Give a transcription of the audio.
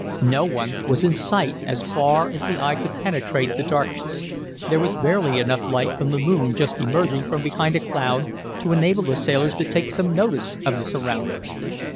No one was in sight, as far as the eye could penetrate the darkness. There was barely enough light from the moon just emerging from behind a cloud to enable the sailors to take some notice of the surroundings.